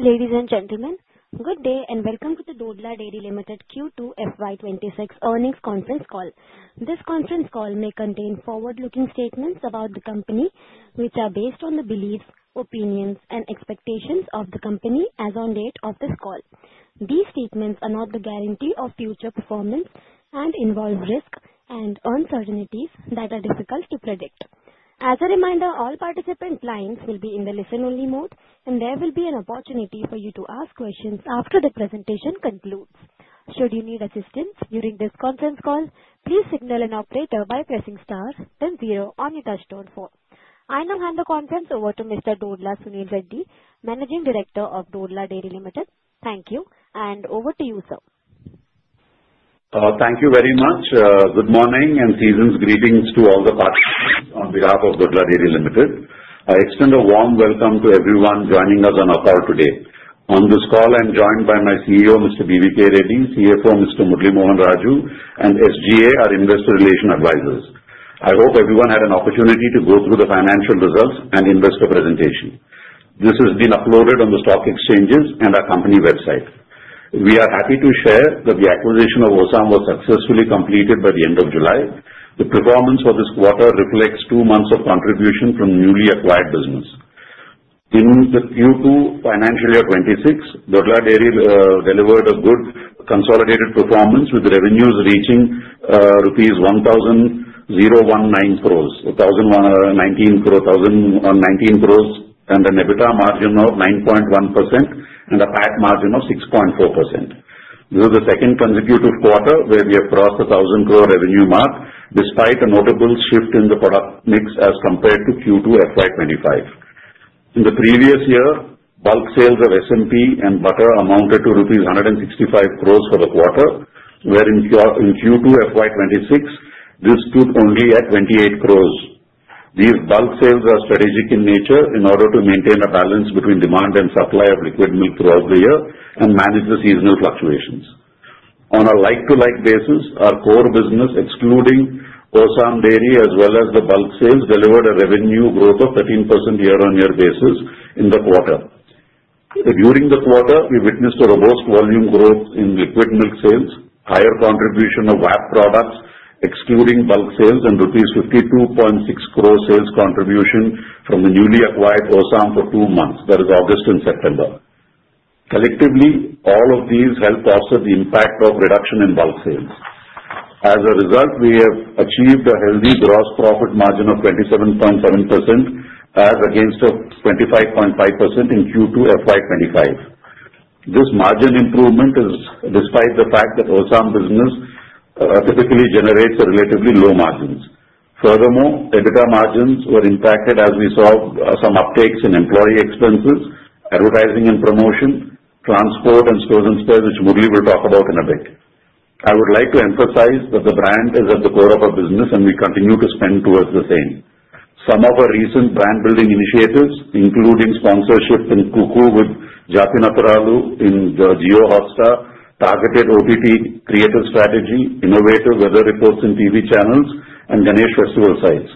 Ladies and gentlemen, good day and welcome to the Dodla Dairy Limited Q2 FY26 earnings conference call. This conference call may contain forward-looking statements about the company, which are based on the beliefs, opinions, and expectations of the company as on date of this call. These statements are not the guarantee of future performance and involve risk and uncertainties that are difficult to predict. As a reminder, all participant lines will be in the listen-only mode, and there will be an opportunity for you to ask questions after the presentation concludes. Should you need assistance during this conference call, please signal an operator by pressing stars, then zero on your touch-tone phone. I now hand the conference over to Mr. Dodla Sunil Reddy, Managing Director of Dodla Dairy Limited. Thank you, and over to you, sir. Thank you very much. Good morning and season's greetings to all the participants on behalf of Dodla Dairy Limited. I extend a warm welcome to everyone joining us on a call today. On this call, I'm joined by my CEO, Mr. BVK Reddy, CFO, Mr. Murali Mohan Raju, and SGA, our investor relations advisors. I hope everyone had an opportunity to go through the financial results and investor presentation. This has been uploaded on the stock exchanges and our company website. We are happy to share that the acquisition of Osam was successfully completed by the end of July. The performance for this quarter reflects two months of contribution from newly acquired business. In the Q2 financial year2026, Dodla Dairy delivered a good consolidated performance with revenues reaching rupees 1,019 crores, 1,019 crores, and an EBITDA margin of 9.1% and a PAT margin of 6.4%. This is the second consecutive quarter where we have crossed the 1,000 crore revenue mark despite a notable shift in the product mix as compared to Q2 FY 2025. In the previous year, bulk sales of SMP and butter amounted to rupees 165 crores for the quarter, wherein Q2 FY 2026, this stood only at 28 crores. These bulk sales are strategic in nature in order to maintain a balance between demand and supply of liquid milk throughout the year and manage the seasonal fluctuations. On a like-to-like basis, our core business, excluding Osam Dairy as well as the bulk sales, delivered a revenue growth of 13% year-on-year basis in the quarter. During the quarter, we witnessed a robust volume growth in liquid milk sales, higher contribution of VAP products, excluding bulk sales, and rupees 52.6 crore sales contribution from the newly acquired Osam for two months, that is, August and September. Collectively, all of these help offset the impact of reduction in bulk sales. As a result, we have achieved a healthy gross profit margin of 27.7% as against a 25.5% in Q2 FY25. This margin improvement is despite the fact that Osam business typically generates relatively low margins. Furthermore, EBITDA margins were impacted as we saw some uptakes in employee expenses, advertising and promotion, transport, and stores and spares, which Murali will talk about in a bit. I would like to emphasize that the brand is at the core of our business, and we continue to spend towards the same. Some of our recent brand-building initiatives, including sponsorship in Cooku with Jatinath Ralu in the Jio Hotstar, targeted OTT creative strategy, innovative weather reports in TV channels, and Ganesh festival sites.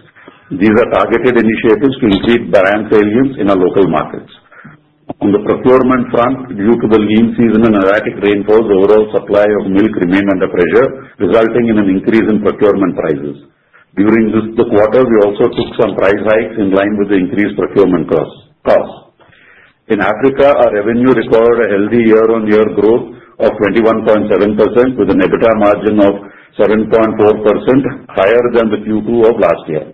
These are targeted initiatives to increase brand salience in our local markets. On the procurement front, due to the lean season and erratic rainfalls, overall supply of milk remained under pressure, resulting in an increase in procurement prices. During the quarter, we also took some price hikes in line with the increased procurement costs. In Africa, our revenue recorded a healthy year-on-year growth of 21.7% with an EBITDA margin of 7.4%, higher than the Q2 of last year.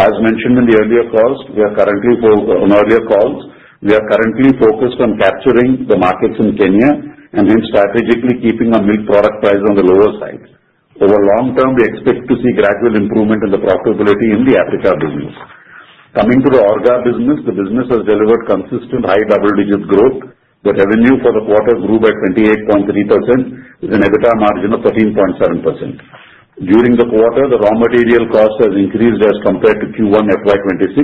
As mentioned in the earlier calls, we are currently focused on capturing the markets in Kenya and then strategically keeping our milk product price on the lower side. Over long term, we expect to see gradual improvement in the profitability in the Africa business. Coming to the Orga business, the business has delivered consistent high double-digit growth. The revenue for the quarter grew by 28.3% with an EBITDA margin of 13.7%. During the quarter, the raw material cost has increased as compared to Q1 FY26,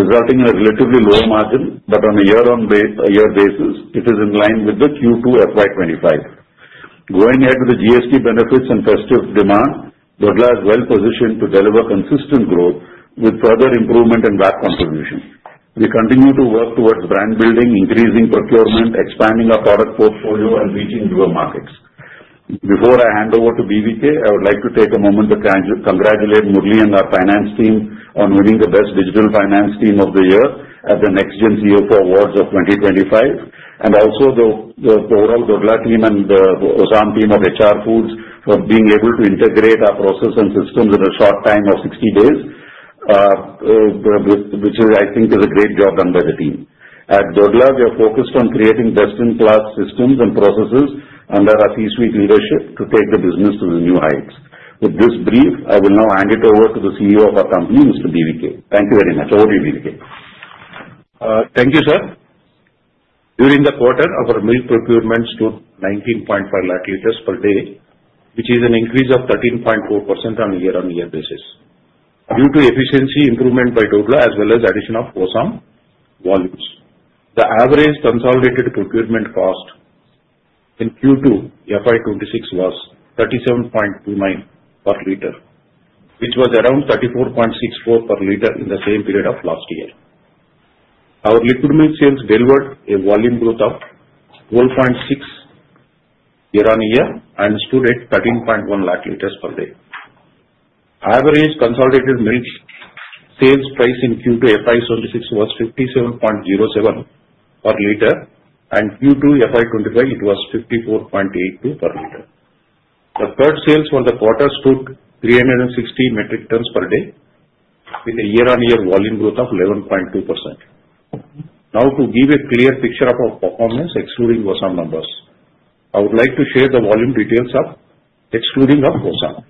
resulting in a relatively low margin, but on a year-on-year basis, it is in line with the Q2 FY25. Going ahead to the GST benefits and festive demand, Dodla is well positioned to deliver consistent growth with further improvement in VAP contribution. We continue to work towards brand building, increasing procurement, expanding our product portfolio, and reaching newer markets. Before I hand over to BVK, I would like to take a moment to congratulate Murali and our finance team on winning the Best Digital Finance Team of the Year at the NextGen CFO Awards of 2025, and also the overall Dodla team and the Osam team of HR Foods for being able to integrate our process and systems in a short time of 60 days, which I think is a great job done by the team. At Dodla, we are focused on creating best-in-class systems and processes under our C-suite leadership to take the business to new heights. With this brief, I will now hand it over to the CEO of our company, Mr. BVK. Thank you very much. Over to you, BVK. Thank you, sir. During the quarter, our milk procurement stood at 19.5 LPD, which is an increase of 13.4% on a year-on-year basis. Due to efficiency improvement by Dodla as well as the addition of Osam volumes, the average consolidated procurement cost in Q2 FY2026 was 37.29 per liter, which was around 34.64 per liter in the same period of last year. Our liquid milk sales delivered a volume growth of 12.6% year-on-year and stood at 13.1 LPD. Average consolidated milk sales price in Q2 FY2026 was 57.07 per liter, and in Q2 FY2025 it was 54.82 per liter. The curd sales for the quarter stood at 360 metric tons per day with a year-on-year volume growth of 11.2%. Now, to give a clear picture of our performance, excluding Osam numbers, I would like to share the volume details excluding Osam.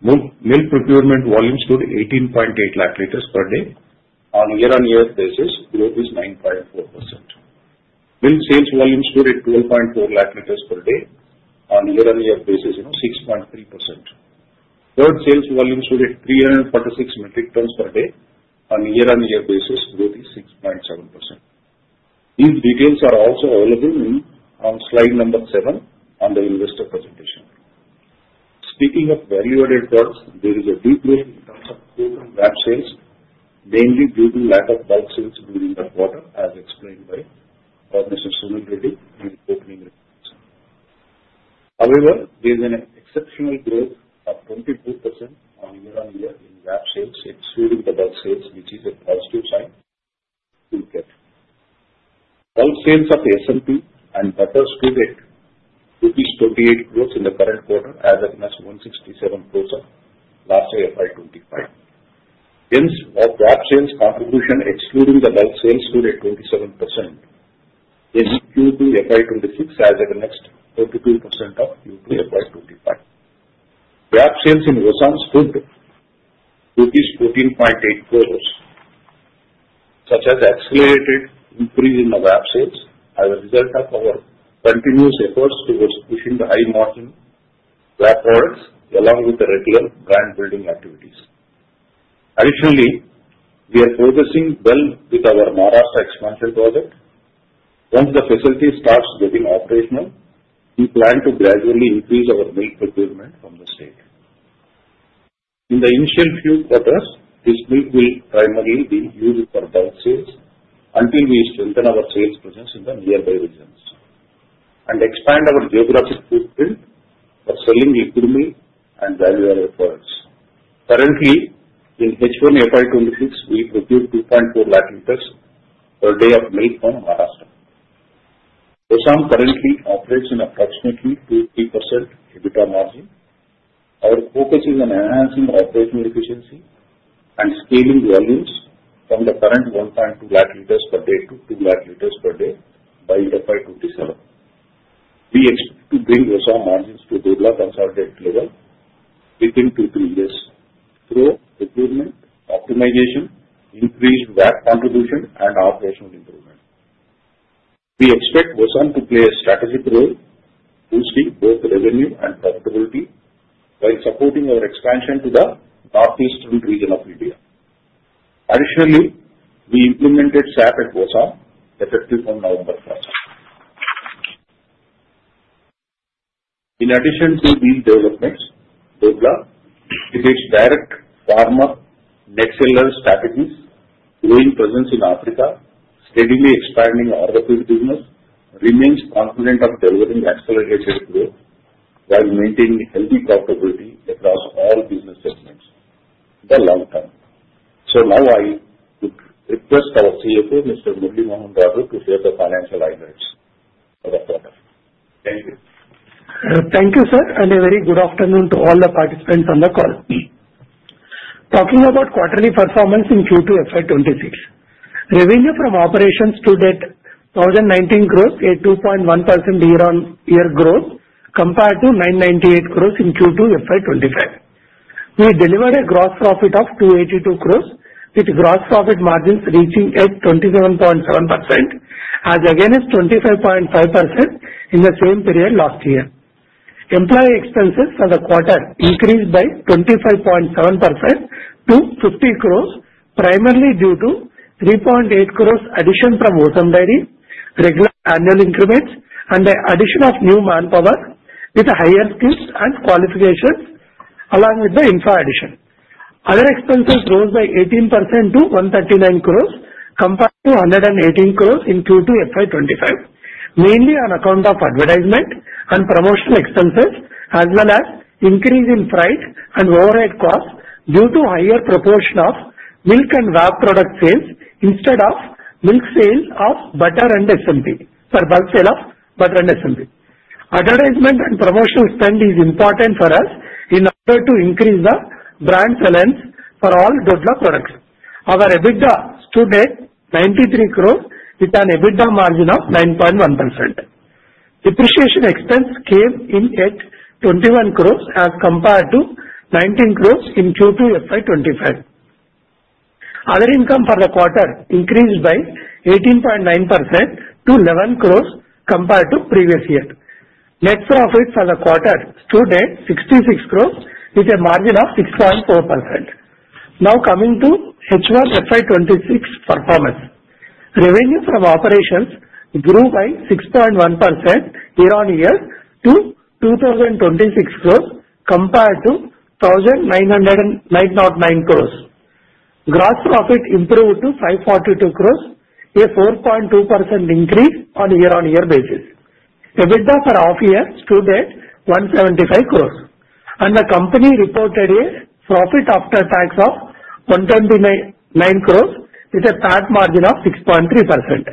Milk procurement volume stood 18.8 L/Day on a year-on-year basis, growth is 9.4%. Milk sales volume stood at 12.4 L/Day on a year-on-year basis, growth is 6.3%. Current sales volume stood at 346 metric tons per day on a year-on-year basis, growth is 6.7%. These details are also available on slide number seven on the investor presentation. Speaking of value-added products, there is a decline in terms of total VAP sales, mainly due to lack of bulk sales during the quarter, as explained by Mr. Sunil Reddy in his opening remarks. However, there is an exceptional growth of 22% on a year-on-year in VAP sales, excluding the bulk sales, which is a positive sign to look at. Bulk sales of SMP and butter stood at rupees 28 crores in the current quarter as at the next 167 crores of last year FY25. Hence, the VAP sales contribution, excluding the bulk sales, stood at 27% in Q2 FY26 as against 42% in Q2 FY25. VAP sales in Osam stood at INR 14.8 crores, showing an accelerated increase in the VAP sales as a result of our continuous efforts towards pushing the high-margin VAP products along with the regular brand-building activities. Additionally, we are progressing well with our Maharashtra expansion project. Once the facility starts getting operational, we plan to gradually increase our milk procurement from the state. In the initial few quarters, this milk will primarily be used for bulk sales until we strengthen our sales presence in the nearby regions and expand our geographic footprint for selling liquid milk and value-added products. Currently, in H1 FY26, we procured 2.4 LPD of milk from Maharashtra. Osam currently operates at approximately 23% EBITDA margin. Our focus is on enhancing operational efficiency and scaling volumes from the current 1.2 LPD to 2 LPD by FY27. We expect to bring Osam margins to Dodla consolidated level within two to three years through procurement optimization, increased VAP contribution, and operational improvement. We expect Osam to play a strategic role, boosting both revenue and profitability while supporting our expansion to the northeastern region of India. Additionally, we implemented SAP at Osam effective from November. In addition to these developments, Dodla exhibits direct farmer procurement strategies, growing presence in Africa, steadily expanding our business, remains confident of delivering accelerated growth while maintaining healthy profitability across all business segments in the long term. Now I would request our CFO, Mr. Murali Mohan Raju, to share the financial highlights of the quarter. Thank you. Thank you, sir, and a very good afternoon to all the participants on the call. Talking about quarterly performance in Q2 FY26, revenue from operations stood at 2,019 crores at 2.1% year-on-year growth compared to 998 crores in Q2 FY25. We delivered a gross profit of 282 crores, with gross profit margins reaching at 27.7%, as against 25.5% in the same period last year. Employee expenses for the quarter increased by 25.7% to 50 crores, primarily due to 3.8 crores addition from Osam Dairy, regular annual increments, and the addition of new manpower with higher skills and qualifications, along with the infra addition. Other expenses rose by 18% to 139 crores compared to 118 crores in Q2 FY25, mainly on account of advertisement and promotional expenses, as well as increase in price and overhead costs due to higher proportion of milk and VAP product sales instead of bulk sales of butter and SMP for bulk sale of butter and SMP. Advertisement and promotional spend is important for us in order to increase the brand salience for all Dodla products. Our EBITDA stood at 93 crores with an EBITDA margin of 9.1%. Depreciation expense came in at 21 crores as compared to 19 crores in Q2 FY25. Other income for the quarter increased by 18.9% to 11 crores compared to previous year. Net profit for the quarter stood at 66 crores with a margin of 6.4%. Now coming to H1 FY26 performance, revenue from operations grew by 6.1% year-on-year to 2,026 crores compared to 1,909 crores. Gross profit improved to 542 crores, a 4.2% increase on a year-on-year basis. EBITDA for half-year stood at 175 crores, and the company reported a profit after tax of 129 crores with a PAT margin of 6.3%.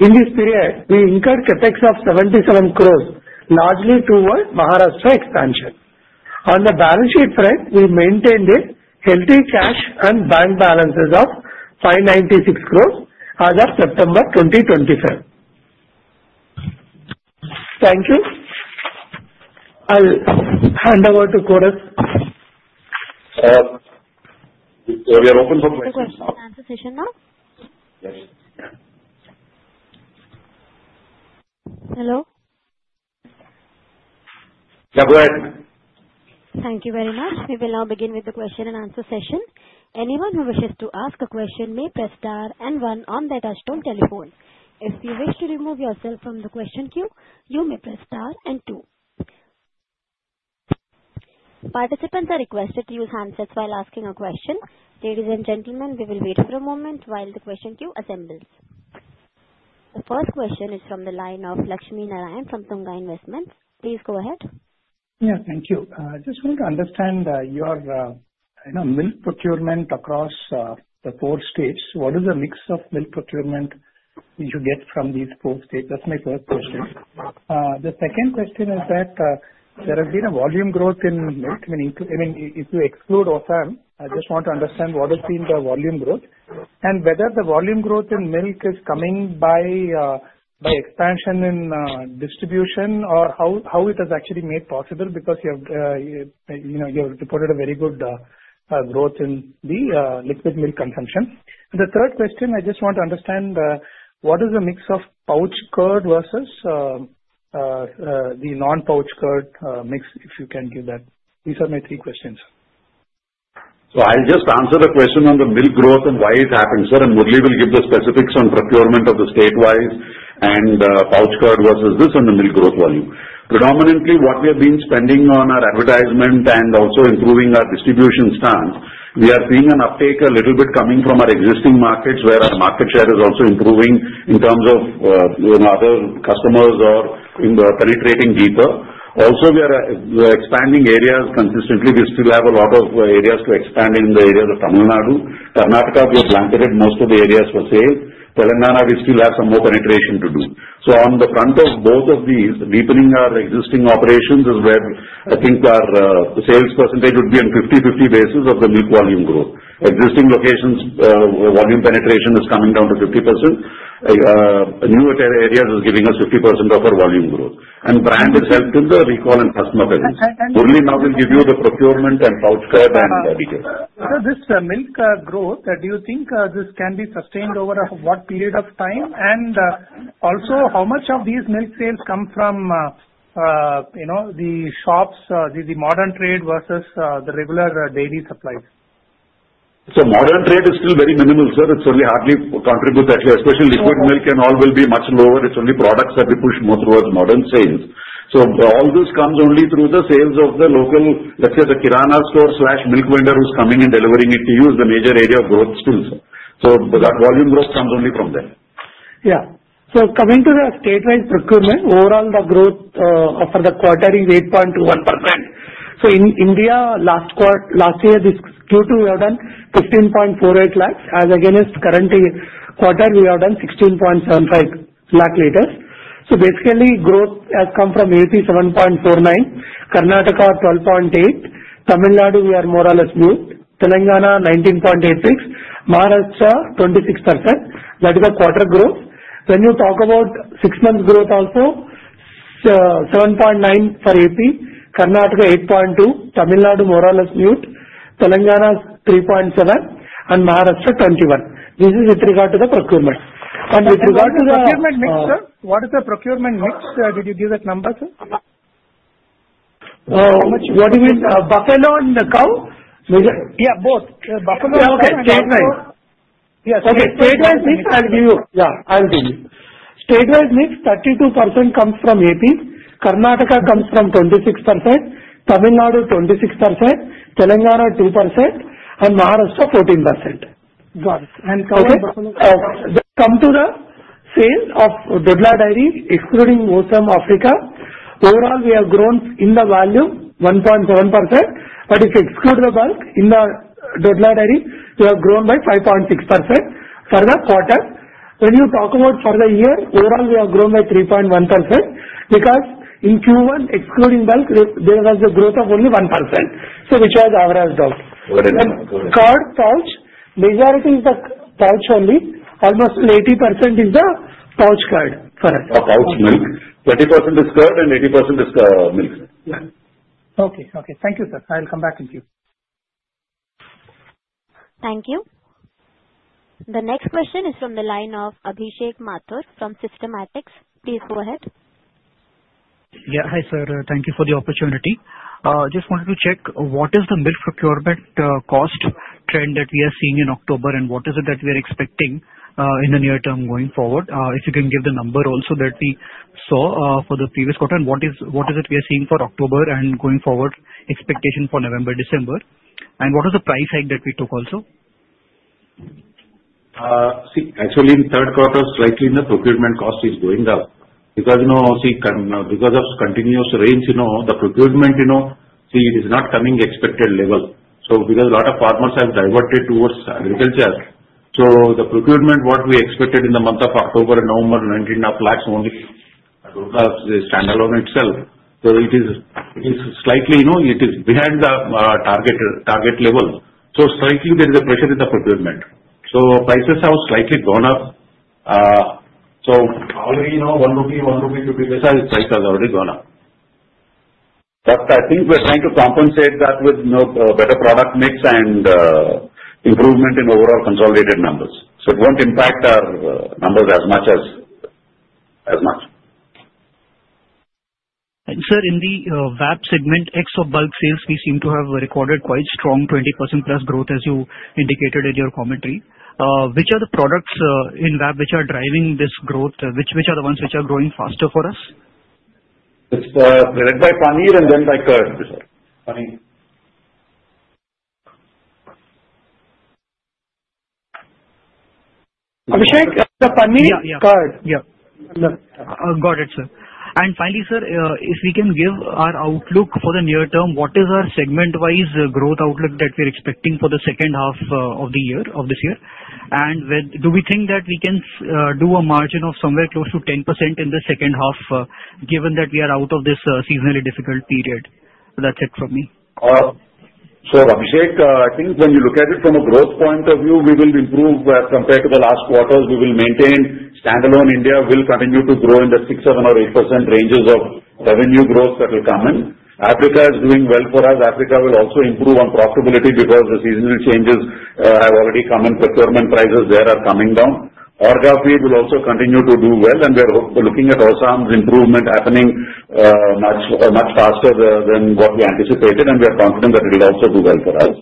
In this period, we incurred Capex of 77 crores, largely towards Maharashtra expansion. On the balance sheet front, we maintained a healthy cash and bank balances of 596 crores as of September 2025. Thank you. I'll hand over to operator. We are open for questions. Questions and answer session now? Hello. Yeah, go ahead. Thank you very much. We will now begin with the question and answer session. Anyone who wishes to ask a question may press star and one on the touchstone telephone. If you wish to remove yourself from the question queue, you may press star and two. Participants are requested to use handsets while asking a question. Ladies and gentlemen, we will wait for a moment while the question queue assembles. The first question is from the line of Lakshmi Narayan from Tunga Investments. Please go ahead. Yeah, thank you. I just want to understand your milk procurement across the four states. What is the mix of milk procurement you get from these four states? That's my first question. The second question is that there has been a volume growth in milk. I mean, if you exclude Osam, I just want to understand what has been the volume growth and whether the volume growth in milk is coming by expansion in distribution or how it has actually made possible because you have reported a very good growth in the liquid milk consumption. And the third question, I just want to understand what is the mix of pouch curd versus the non-pouch curd mix, if you can give that. These are my three questions. So I'll just answer the question on the milk growth and why it happens, sir, and Murali will give the specifics on procurement of the statewide and pouch curd versus this and the milk growth volume. Predominantly, what we have been spending on our advertisement and also improving our distribution stance, we are seeing an uptake a little bit coming from our existing markets where our market share is also improving in terms of other customers or penetrating deeper. Also, we are expanding areas consistently. We still have a lot of areas to expand in the areas of Tamil Nadu. Karnataka, we have blanketed most of the areas for sale. Telangana, we still have some more penetration to do. So on the front of both of these, deepening our existing operations is where I think our sales percentage would be on a 50-50 basis of the milk volume growth. Existing locations volume penetration is coming down to 50%. New areas are giving us 50% of our volume growth, and brand is helping the recall and customer presence. Murali, I will give you the procurement and pouch curd and details. Sir, this milk growth, do you think this can be sustained over what period of time? And also, how much of these milk sales come from the shops, the modern trade versus the regular dairy supplies? So modern trade is still very minimal, sir. It's only hardly contributed that way, especially liquid milk and all will be much lower. It's only products that we push more towards modern sales. So all this comes only through the sales of the local, let's say, the Kirana store/milk vendor who's coming and delivering it to you is the major area of growth still, sir. So that volume growth comes only from there. Yeah. So, coming to the state-wise procurement, overall the growth for the quarter is 8.21%. So in India, last year, this Q2, we have done 15.48 lakhs, as against current quarter, we have done 16.75 lakh liters. So basically, growth has come from AP 8.749%, Karnataka 12.8%, Tamil Nadu, we are more or less near, Telangana 19.86%, Maharashtra 26%. That is the quarter growth. When you talk about six-month growth, also 7.9% for AP, Karnataka 8.2%, Tamil Nadu more or less near, Telangana 3.7%, and Maharashtra 21%. This is with regard to the procurement. And with regard to the. What is the procurement mix? What is the procurement mix? Did you give that number, sir? What do you mean? Buffalo and cow? Yeah, both. Okay, statewide. Yes. Statewide mix, 32% comes from AP, Karnataka comes from 26%, Tamil Nadu 26%, Telangana 2%, and Maharashtra 14%. Got it. And how many percent? Coming to the sales of Dodla Dairy, excluding Osam, Africa, overall, we have grown in the volume 1.7%. But if you exclude the bulk in the Dodla Dairy, we have grown by 5.6% for the quarter. When you talk about for the year, overall, we have grown by 3.1% because in Q1, excluding bulk, there was a growth of only 1%, so which was our added out. And curd pouch, majority is the pouch only. Almost 80% is the pouch curd for us. Pouch milk. 20% is curd and 80% is milk. Okay, okay. Thank you, sir. I'll come back and give. Thank you. The next question is from the line of Abhishek Mathur from Systematix. Please go ahead. Yeah, hi sir. Thank you for the opportunity. Just wanted to check what is the milk procurement cost trend that we are seeing in October and what is it that we are expecting in the near term going forward? If you can give the number also that we saw for the previous quarter and what is it we are seeing for October and going forward expectation for November, December, and what was the price hike that we took also? See, actually, in third quarter, slightly the procurement cost is going up because of continuous rains, the procurement is not coming to the expected level. So because a lot of farmers have diverted towards agriculture, so the procurement, what we expected in the month of October and November, 19 and a half lakhs only standalone itself. So it is slightly behind the target level. So slightly, there is a pressure in the procurement. So prices have slightly gone up. So already 1 rupee, 1.50 rupee price has already gone up. But I think we're trying to compensate that with better product mix and improvement in overall consolidated numbers. So it won't impact our numbers as much as much. Sir, in the VAP segment, ex of bulk sales, we seem to have recorded quite strong 20% plus growth as you indicated in your commentary. Which are the products in VAP which are driving this growth? Which are the ones which are growing faster for us? It's led by paneer and then by curd. Abhishek, the paneer, curd. Yeah, yeah. Got it, sir. And finally, sir, if we can give our outlook for the near term, what is our segment-wise growth outlook that we're expecting for the second half of this year? And do we think that we can do a margin of somewhere close to 10% in the second half given that we are out of this seasonally difficult period? So that's it from me. Abhishek, I think when you look at it from a growth point of view, we will improve compared to the last quarters. We will maintain standalone. India will continue to grow in the six, seven, or eight % ranges of revenue growth that will come in. Africa is doing well for us. Africa will also improve on profitability because the seasonal changes have already come in. Procurement prices there are coming down. Orgafeed will also continue to do well, and we are looking at Osam's improvement happening much faster than what we anticipated, and we are confident that it will also do well for us.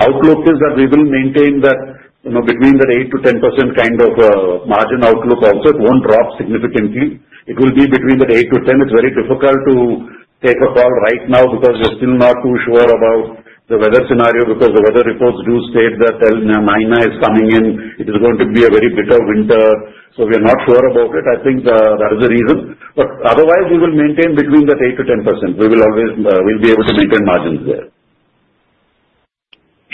Outlook is that we will maintain that between that 8%-10% kind of margin outlook also. It won't drop significantly. It will be between that 8%-10%. It's very difficult to take a call right now because we're still not too sure about the weather scenario because the weather reports do state that La Nina is coming in. It is going to be a very bitter winter, so we are not sure about it. I think that is the reason. But otherwise, we will maintain between that 8%-10%. We will always be able to maintain margins there.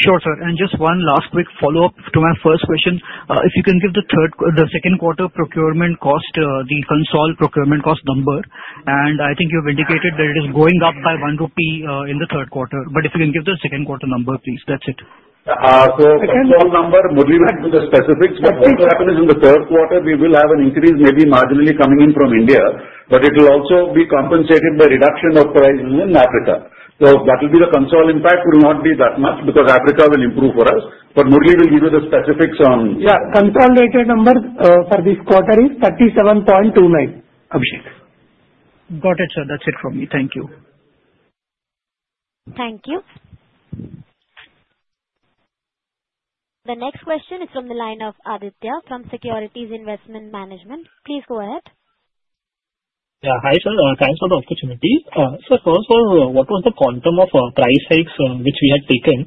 Sure, sir. And just one last quick follow-up to my first question. If you can give the second quarter procurement cost, the consolidated procurement cost number, and I think you have indicated that it is going up by 1 rupee in the third quarter. But if you can give the second quarter number, please. That's it. So consol number, Murali, I'll give the specifics. What will happen is in the third quarter, we will have an increase maybe marginally coming in from India, but it will also be compensated by reduction of prices in Africa. So that will be the consol impact. It will not be that much because Africa will improve for us. But Murali will give you the specifics on. Yeah, consolidated number for this quarter is 37.29. Abhishek. Got it, sir. That's it from me. Thank you. Thank you. The next question is from the line of Aditya from Securities Investment Management. Please go ahead. Yeah, hi sir. Thanks for the opportunity. So first of all, what was the quantum of price hikes which we had taken?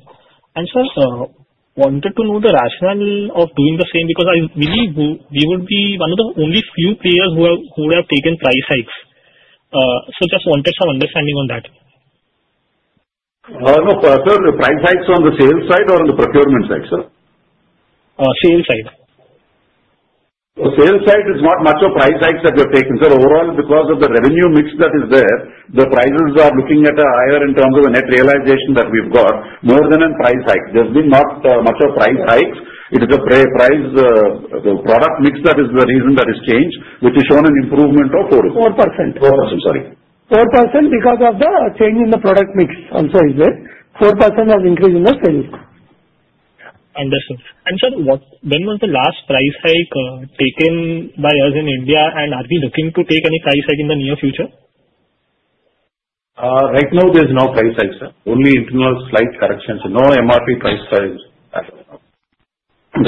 And sir, I wanted to know the rationale of doing the same because I believe we would be one of the only few players who would have taken price hikes. So just wanted some understanding on that. No, no, sir. Price hikes on the sales side or on the procurement side, sir? Sales side. Sales side is not much of price hikes that we have taken, sir. Overall, because of the revenue mix that is there, the prices are looking at a higher in terms of the net realization that we've got more than in price hikes. There's been not much of price hikes. It is the product mix that is the reason that has changed, which has shown an improvement of 4%. 4%. 4%, sorry. 4% because of the change in the product mix. Answer is there. 4% has increased in the sales. Understood. And sir, when was the last price hike taken by us in India, and are we looking to take any price hike in the near future? Right now, there's no price hike, sir. Only internal slight corrections. No MRP price hikes.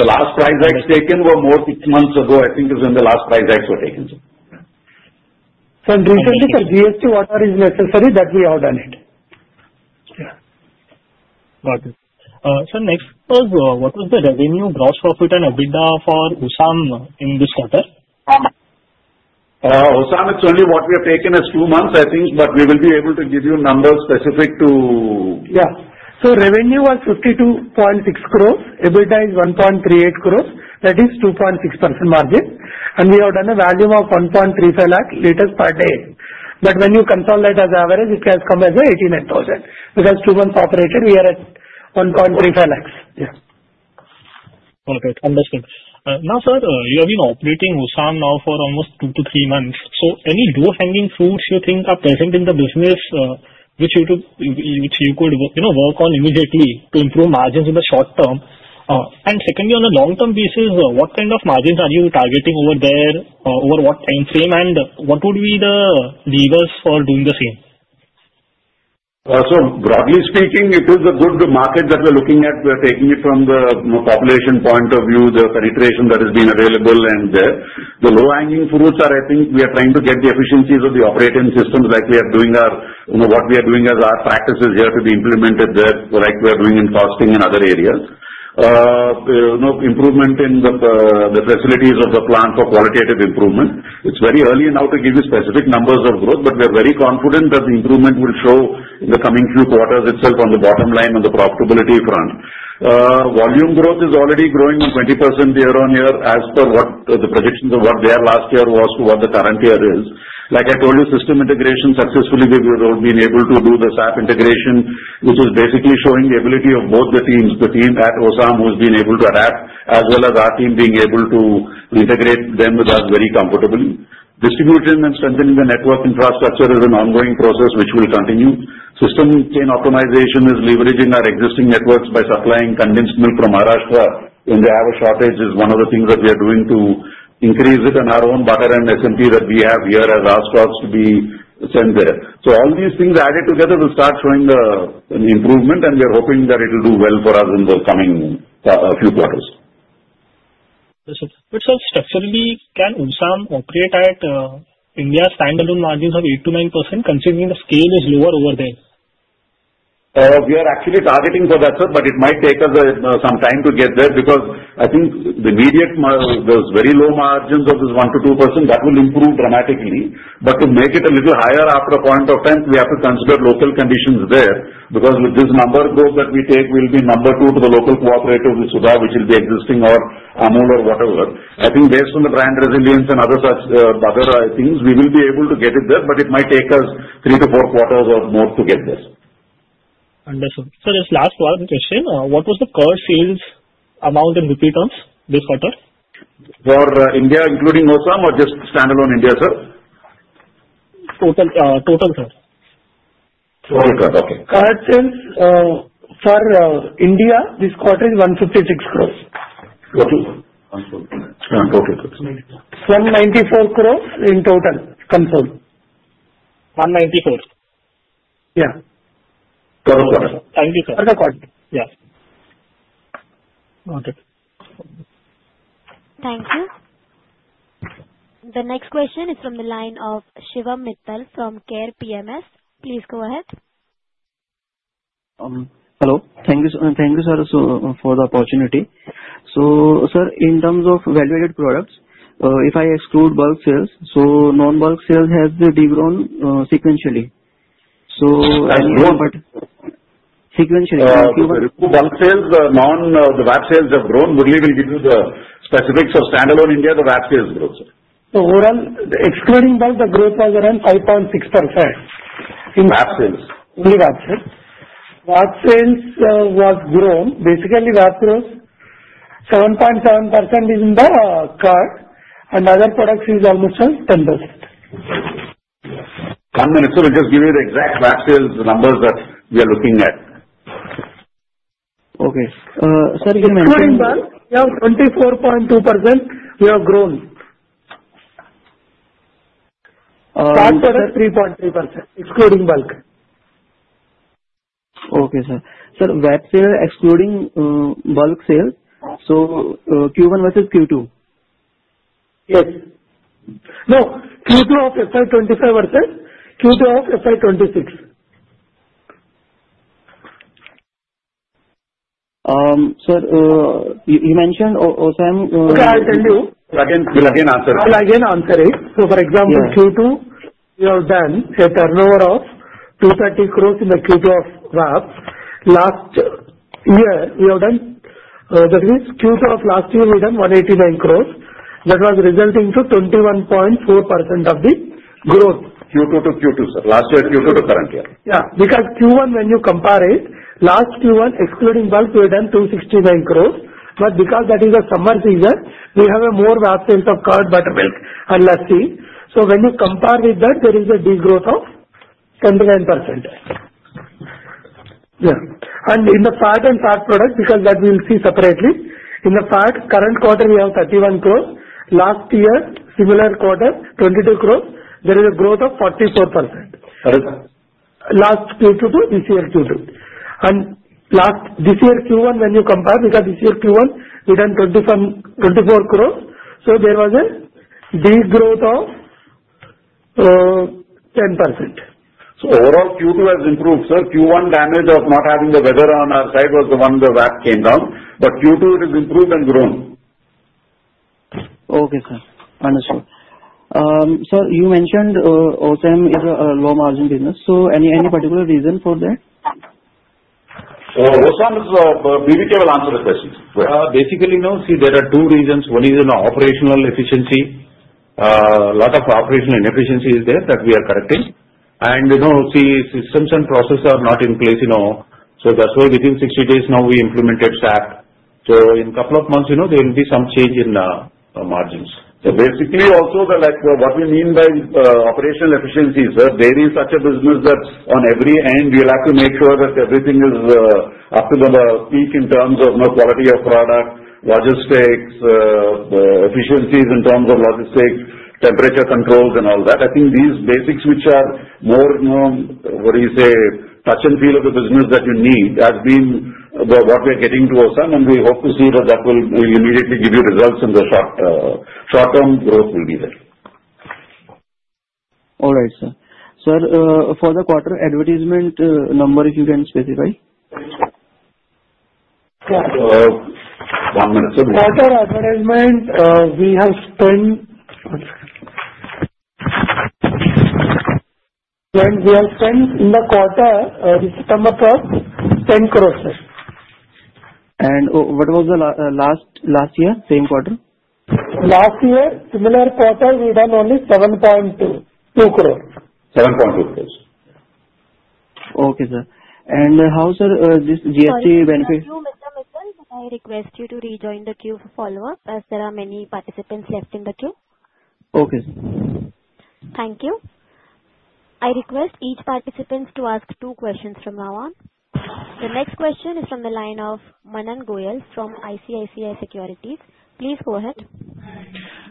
The last price hikes taken were more than six months ago. I think it's when the last price hikes were taken, sir. Sir, and recently, sir, GST waiver is necessary. That we have done it. Got it. Sir, next was what was the revenue, gross profit, and EBITDA for Osam in this quarter? Osam, it's only what we have taken as two months, I think, but we will be able to give you numbers specific to. Yeah, so revenue was 52.6 crores. EBITDA is 1.38 crores. That is 2.6% margin, and we have done a volume of 1.35 lakh LPD. But when you consolidate as average, it has come as 18,000, because two months operated, we are at 1.35 lakhs. Yeah. All right. Understood. Now, sir, you have been operating Osam now for almost two to three months. So any low-hanging fruits you think are present in the business which you could work on immediately to improve margins in the short term? And secondly, on a long-term basis, what kind of margins are you targeting over there? Over what time frame? And what would be the levers for doing the same? So broadly speaking, it is a good market that we're looking at. We are taking it from the population point of view, the penetration that has been available and there. The low-hanging fruits are, I think, we are trying to get the efficiencies of the operating systems like we are doing our what we are doing as our practices here to be implemented there like we are doing in costing and other areas. Improvement in the facilities of the plant for qualitative improvement. It's very early now to give you specific numbers of growth, but we are very confident that the improvement will show in the coming few quarters itself on the bottom line on the profitability front. Volume growth is already growing at 20% year on year as per the projections of what there last year was to what the current year is. Like I told you, system integration successfully. We have been able to do the SAP integration, which is basically showing the ability of both the teams, the team at Osam who has been able to adapt, as well as our team being able to integrate them with us very comfortably. Distributing and strengthening the network infrastructure is an ongoing process which will continue. Supply chain optimization is leveraging our existing networks by supplying condensed milk from Maharashtra when they have a shortage. It's one of the things that we are doing to increase it on our own butter and SMP that we have here as our stocks to be sent there. So all these things added together will start showing the improvement, and we are hoping that it will do well for us in the coming few quarters. Yes, sir. But sir, structurally, can Osam operate at India's stand-alone margins of 8%-9% considering the scale is lower over there? We are actually targeting for that, sir, but it might take us some time to get there because I think the immediate, there's very low margins of this 1%-2% that will improve dramatically. But to make it a little higher after a point of time, we have to consider local conditions there because with this number growth that we take, we'll be number two to the local cooperative with Sudha, which is the existing or Amul or whatever. I think based on the brand resilience and other things, we will be able to get it there, but it might take us three to four quarters or more to get there. Understood. Sir, just last one question. What was the curd sales amount in rupee terms this quarter? For India, including Osam or just stand-alone India, sir? Total, sir. Total, okay. Curd sales for India this quarter is INR 156 crores. 154 crores. 194 crores in total consolidated. 194. Yeah. Per quarter. Thank you, sir. Per quarter. Yeah. Okay. Thank you. The next question is from the line of Shivam Mittal from Care PMS. Please go ahead. Hello. Thank you, sir, for the opportunity. So sir, in terms of value-added products, if I exclude bulk sales, so non-bulk sales has grown sequentially. Bulk sales, not the VAP sales, have grown. Murali will give you the specifics of standalone India, the VAP sales growth. So overall, excluding bulk, the growth was around 5.6%. VAP sales. Only VAP sales. VAP sales was grown. Basically, VAP growth 7.7% is in the curd, and other products is almost 10%. Come in. So we'll just give you the exact VAP sales numbers that we are looking at. Okay. Sir, you can mention. Excluding bulk, we have 24.2%. We have grown. VAP sales 3.3% excluding bulk. Okay, sir. Sir, VAP sales excluding bulk sales. So Q1 versus Q2. Yes. No, Q2 of FY 2025 versus Q2 of FY 2026. Sir, you mentioned Osam. Okay, I'll tell you. We'll again answer it. We'll again answer it. So for example, Q2, we have done a turnover of 230 crores in the Q2 of VAP. Last year, we have done. That means Q2 of last year, we done 189 crores. That was resulting to 21.4% of the growth. Q2 to Q2, sir. Last year, Q2 to current year. Yeah. Because Q1, when you compare it, last Q1, excluding bulk, we had done 269 crores. But because that is a summer season, we have more VAP sales of curd, buttermilk, and lassi. So when you compare with that, there is a degrowth of 10%-10%. Yeah. And in the fat and fat product, because that we'll see separately, in the fat, current quarter, we have 31 crores. Last year, similar quarter, 22 crores. There is a growth of 44%. Correct, sir. Last Q2 to this year, Q2, and this year, Q1, when you compare, because this year, Q1, we done 240 million, so there was a degrowth of 10%. So overall, Q2 has improved, sir. Q1, damage of not having the weather on our side was the one the VAP came down. But Q2, it has improved and grown. Okay, sir. Understood. Sir, you mentioned Osam is a low-margin business so any particular reason for that? Osam is B2B. We'll answer the question. Basically, no. See, there are two reasons. One is operational efficiency. A lot of operational inefficiency is there that we are correcting. And see, systems and processes are not in place. So that's why within 60 days now, we implemented SAP. So in a couple of months, there will be some change in the margins. So basically, also what we mean by operational efficiency is there is such a business that on every end, we'll have to make sure that everything is up to the peak in terms of quality of product, logistics, efficiencies in terms of logistics, temperature controls, and all that. I think these basics, which are more, what do you say, touch and feel of the business that you need, has been what we are getting to Osam, and we hope to see that that will immediately give you results in the short-term. Growth will be there. All right, sir. Sir, for the quarter, EBITDA number, if you can specify? One minute, sir. Quarter advertisement, we have spent in the quarter, September 12th, INR 10 crores, sir. What was the last year, same quarter? Last year, similar quarter, we done only 7.2 crores. 7.2 crores. Okay, sir. And how, sir, this GST benefit? Thank you, Murali. I request you to rejoin the queue for follow-up as there are many participants left in the queue. Okay, sir. Thank you. I request each participant to ask two questions from now on. The next question is from the line of Manan Goyal from ICICI Securities. Please go ahead.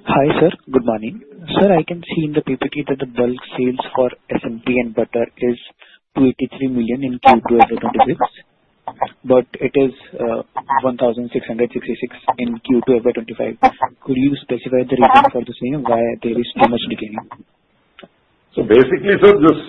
Hi, sir. Good morning. Sir, I can see in the PPT that the bulk sales for SMP and butter is 283 million in Q2 FY 2026, but it is 1,666 in Q2 FY 2025. Could you specify the reason for the same, why there is too much declining? So basically, sir, this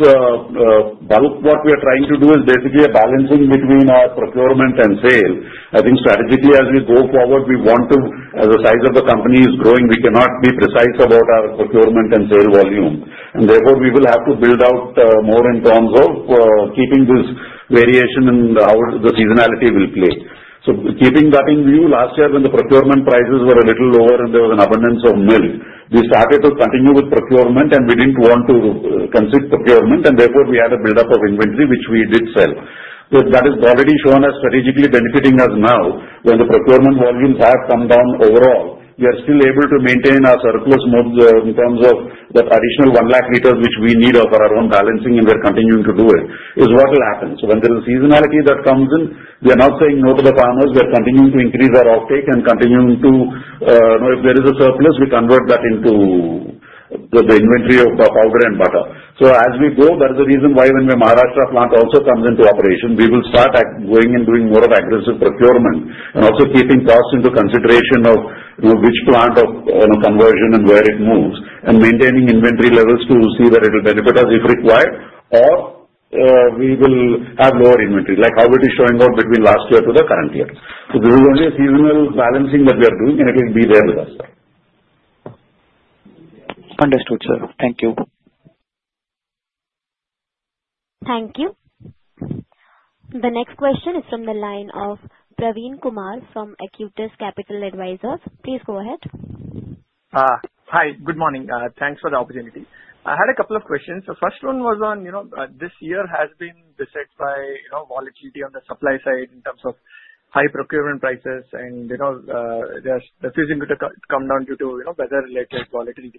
bulk, what we are trying to do, is basically a balancing between our procurement and sales. I think strategically, as we go forward, we want to, as the size of the company is growing, we cannot be precise about our procurement and sales volume, and therefore, we will have to build out more in terms of keeping this variation in how the seasonality will play. Keeping that in view, last year, when the procurement prices were a little lower and there was an abundance of milk, we started to continue with procurement, and we didn't want to cease procurement, and therefore, we had a buildup of inventory, which we did sell. That has already shown us strategically benefiting us now. When the procurement volumes have come down overall, we are still able to maintain our surplus in terms of the additional one lakh liters, which we need for our own balancing, and we're continuing to do it, is what will happen. So when there is a seasonality that comes in, we are not saying no to the farmers. We are continuing to increase our offtake and continuing to, if there is a surplus, we convert that into the inventory of powder and butter. So as we go, that is the reason why when the Maharashtra plant also comes into operation, we will start going and doing more aggressive procurement and also keeping costs into consideration of which plant for conversion and where it moves and maintaining inventory levels to see that it will benefit us if required, or we will have lower inventory, like how it is showing up between last year to the current year. So this is only a seasonal balancing that we are doing, and it will be there with us, sir. Understood, sir. Thank you. Thank you. The next question is from the line of Praveen Kumar from Aequitas Investment Consultancy. Please go ahead. Hi. Good morning. Thanks for the opportunity. I had a couple of questions. The first one was on, this year has been beset by volatility on the supply side in terms of high procurement prices, and they're refusing to come down due to weather-related volatility.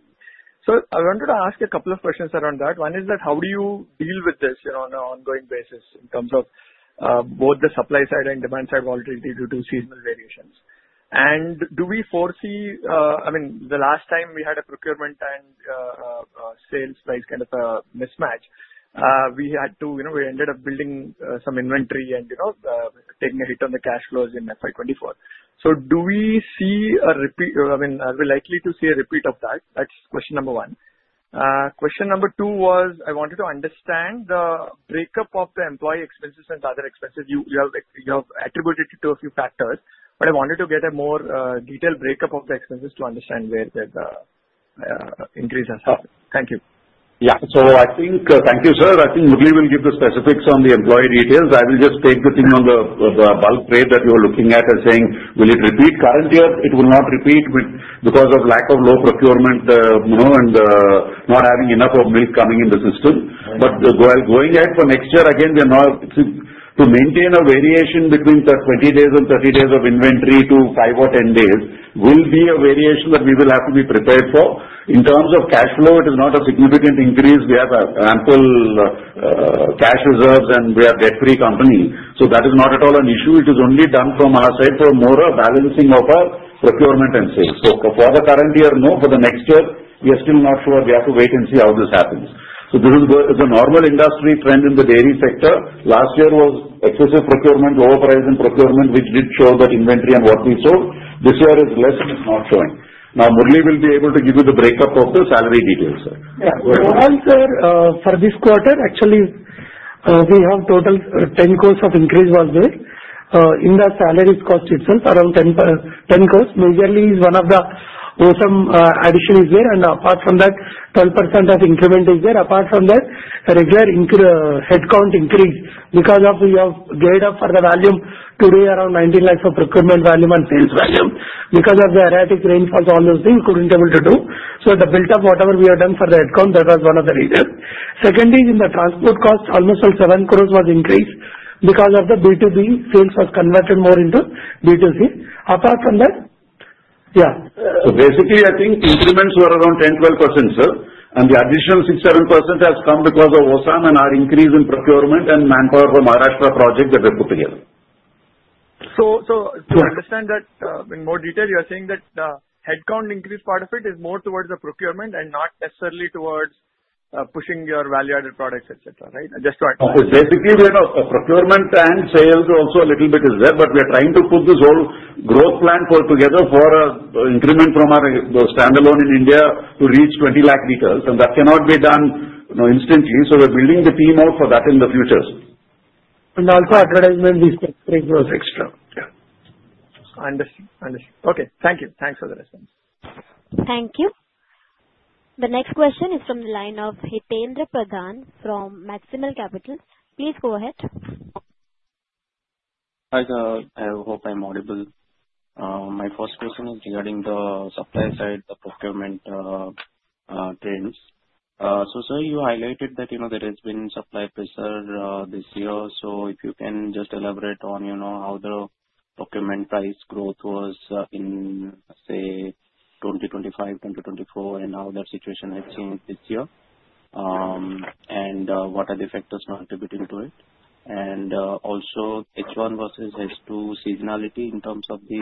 So I wanted to ask a couple of questions around that. One is that how do you deal with this on an ongoing basis in terms of both the supply side and demand side volatility due to seasonal variations? And do we foresee? I mean, the last time we had a procurement and sales price kind of a mismatch, we ended up building some inventory and taking a hit on the cash flows in FY 2024. So do we see a repeat? I mean, are we likely to see a repeat of that? That's question number one. Question number two was, I wanted to understand the break-up of the employee expenses and other expenses. You have attributed it to a few factors, but I wanted to get a more detailed break-up of the expenses to understand where the increase has happened. Thank you. Yeah. So I think thank you, sir. I think Murali will give the specifics on the employee details. I will just take the thing on the bulk trade that you are looking at and saying, will it repeat current year? It will not repeat because of lack of low procurement and not having enough of milk coming in the system. But while going ahead for next year, again, we are now to maintain a variation between 20 days and 30 days of inventory to five or 10 days will be a variation that we will have to be prepared for. In terms of cash flow, it is not a significant increase. We have ample cash reserves, and we are a debt-free company. So that is not at all an issue. It is only done from our side for more of balancing of our procurement and sales. So for the current year, no. For the next year, we are still not sure. We have to wait and see how this happens. So this is the normal industry trend in the dairy sector. Last year was excessive procurement, overpriced procurement, which did show that inventory and what we sold. This year is less and is not showing. Now, Murali will be able to give you the breakup of the salary details, sir. Overall, sir, for this quarter, actually, we have total 10 crores of increase was there. In the salaries cost itself, around 10 crores, majorly is one of the Osam addition is there, and apart from that, 12% of increment is there. Apart from that, regular headcount increase because of we have geared up for the volume today around 19 lakhs of procurement volume and sales volume because of the erratic rainfalls, all those things, couldn't be able to do, so the buildup, whatever we have done for the headcount, that was one of the reasons. Second is in the transport cost, almost 7 crores was increased because of the B2B sales was converted more into B2C. Apart from that, yeah. So basically, I think increments were around 10%-12%, sir. And the additional 6%-7% has come because of Osam and our increase in procurement and manpower for Maharashtra project that we put together. So to understand that in more detail, you are saying that the headcount increase part of it is more towards the procurement and not necessarily towards pushing your value-added products, etc., right? Just to address that. Basically, we have a procurement and sales also a little bit is there, but we are trying to put this whole growth plan together for increment from our stand-alone in India to reach 20 lakh liters. And that cannot be done instantly. So we're building the team out for that in the future. Also advertisement expenses was extra. Yeah. Understood. Understood. Okay. Thank you. Thanks for the response. Thank you. The next question is from the line of Hitendra Pradhan from Maximal Capital. Please go ahead. Hi, sir. I hope I'm audible. My first question is regarding the supply side, the procurement trends. So sir, you highlighted that there has been supply pressure this year. So if you can just elaborate on how the procurement price growth was in, say, 2025, 2024, and how that situation has changed this year, and what are the factors contributing to it? And also, H1 versus H2 seasonality in terms of the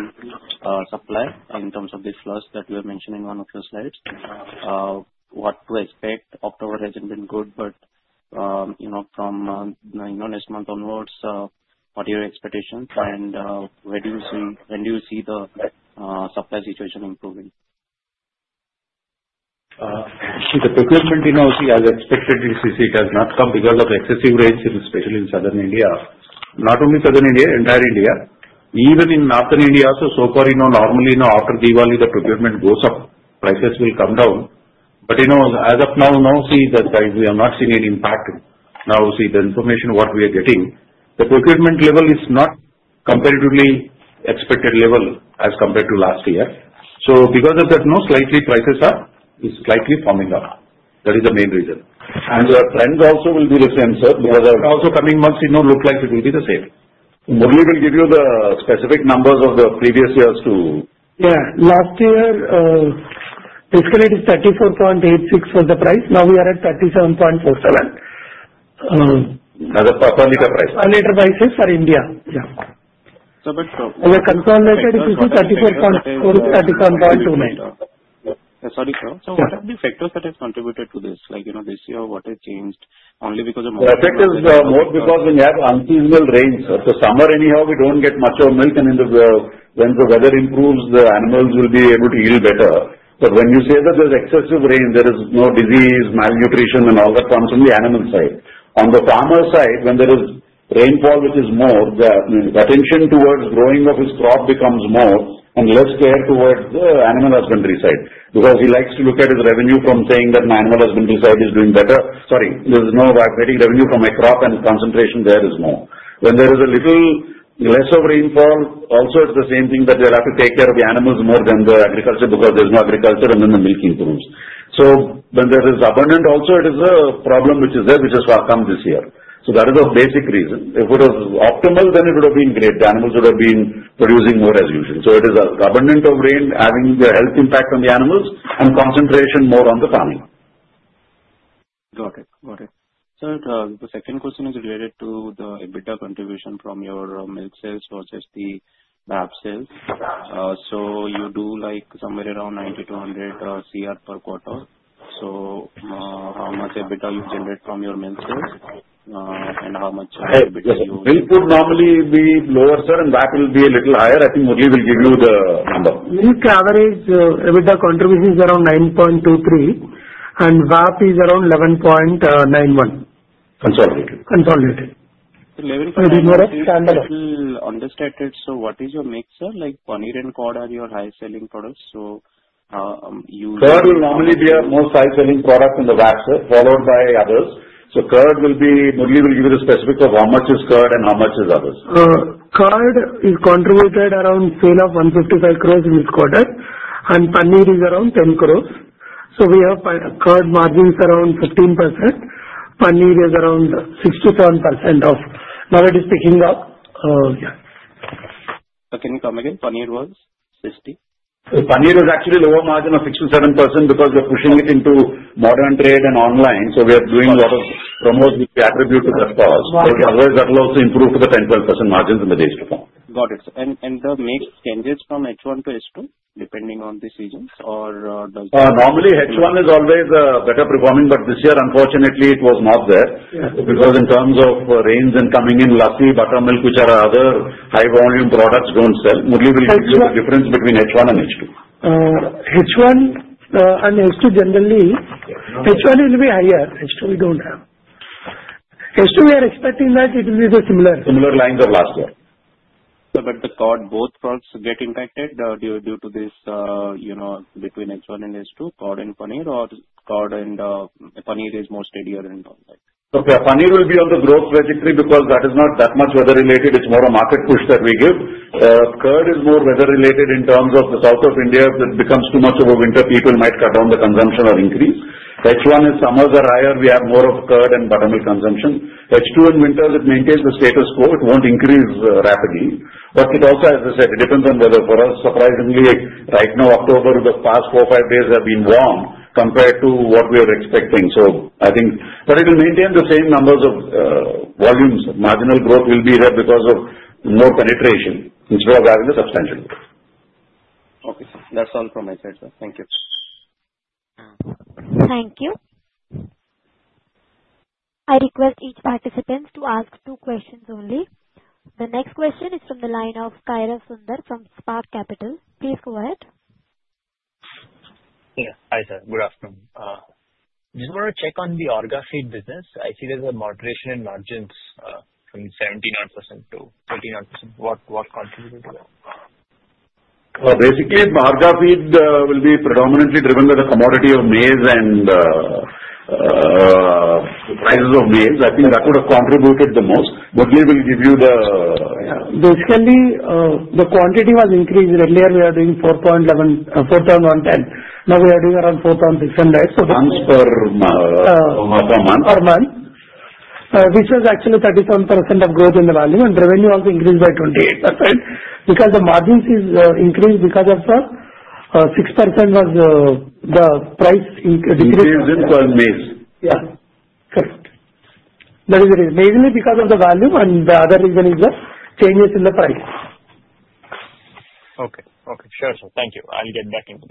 supply and in terms of the flush that you are mentioning in one of your slides. What to expect? October hasn't been good, but from next month onwards, what are your expectations? And when do you see the supply situation improving? See, the procurement, you know, see, as expected, it has not come because of excessive rainfall, especially in Southern India. Not only Southern India, entire India. Even in Northern India, so far, normally, after Diwali, the procurement goes up. Prices will come down. But as of now, see, we are not seeing any impact. Now, see, the information what we are getting, the procurement level is not comparatively expected level as compared to last year. So because of that, slightly prices are slightly firming up. That is the main reason, and the trends also will be the same, sir, because also coming months look like it will be the same. Murali will give you the specific numbers of the previous years too. Yeah. Last year, basically, it is 34.86 for the price. Now we are at 37.47. Another per liter price. Per-liter prices for India. So but. As a consolidated, you see 34.47, 37.29. Sorry, sir. So what are the factors that have contributed to this? This year, what has changed? Only because of... The effect is more because we have unseasonal rains. The summer, anyhow, we don't get much of milk, and when the weather improves, the animals will be able to yield better. But when you say that there's excessive rain, there is more disease, malnutrition, and all that comes from the animal side. On the farmer side, when there is rainfall, which is more, the attention towards growing of his crop becomes more and less care towards the animal husbandry side because he likes to look at his revenue from saying that my animal husbandry side is doing better. Sorry, there's no revenue from my crop, and concentration there is more. When there is a little less of rainfall, also it's the same thing that you have to take care of the animals more than the agriculture because there's no agriculture and then the milking comes. So when there is abundant, also it is a problem which is there, which has come this year. So that is a basic reason. If it was optimal, then it would have been great. The animals would have been producing more as usual. So it is abundant of rain having the health impact on the animals and concentration more on the farming. Got it. Got it. Sir, the second question is related to the EBITDA contribution from your milk sales versus the VAP sales. So you do somewhere around 90-100 Cr per quarter. So how much EBITDA you generate from your milk sales and how much EBITDA you. Yes. Milk would normally be lower, sir, and DAP will be a little higher. I think Murali will give you the number. Milk average EBITDA contribution is around 9.23%, and PAT is around 11.91%. Consolidated. Consolidated. So 11.91. Maybe more of stand-alone. I still understand. So what is your mix, sir? Like paneer and curd are your highest selling products. Curd will normally be our highest selling product in the DRP, sir, followed by others. Murali will give you the specifics of how much is curd and how much is others. Curd contributed around sales of 155 crores in this quarter, and paneer is around 10 crores. So we have curd margins around 15%. Paneer is around 67% of what is picking up. Can you come again? Paneer was 60%. Paneer is actually lower margin of 67% because we are pushing it into modern trade and online. So we are doing a lot of promos which we attribute to that cause. Otherwise, that will also improve to the 10%-12% margins in the days to come. Got it. And the mix changes from H1 to H2 depending on the seasons or does it? Normally, H1 is always better performing, but this year, unfortunately, it was not there because in terms of rains and coming in, lassi, buttermilk, which are other high-volume products, don't sell. Murali will give you the difference between H1 and H2. H1 and H2 generally, H1 will be higher. H2 we don't have. H2 we are expecting that it will be the similar. Similar lines of last year. But the curd, both products get impacted due to this between H1 and H2? Curd and paneer or curd and paneer is more steadier and? Paneer will be on the growth trajectory because that is not that much weather-related. It's more a market push that we give. Curd is more weather-related in terms of the south of India. If it becomes too much of a winter, people might cut down the consumption or increase. H1 is summers are higher. We have more of curd and buttermilk consumption. H2 in winter, it maintains the status quo. It won't increase rapidly. But it also, as I said, it depends on weather. For us, surprisingly, right now, October to the past four or five days have been warm compared to what we were expecting. So I think, but it will maintain the same numbers of volumes. Marginal growth will be there because of more penetration. Instead of having a substantial growth. Okay. That's all from my side, sir. Thank you. Thank you. I request each participant to ask two questions only. The next question is from the line of Karthik Sundar from Spark Capital. Please go ahead. Hi, sir. Good afternoon. Just want to check on the Orga Feed business. I see there's a moderation in margins from 79%-39%. What contributed to that? Basically, Orga Feed will be predominantly driven by the commodity of maize and the prices of maize. I think that would have contributed the most. Murali will give you the. Basically, the quantity was increased. Earlier, we were doing 4,110. Now we are doing around 4,600. Per month? Per month, which was actually 37% growth in the volume, and revenue also increased by 28% because the margins increased because of the 6% price decrease. Increase in maize. Yeah. Correct. That is the reason. Mainly because of the volume, and the other reason is the changes in the price. Okay. Okay. Sure, sir. Thank you. I'll get back in.